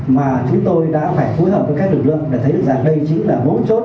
mà chúng tôi đã phải phối hợp với các lực lượng để thấy được rằng đây chính là mấu chốt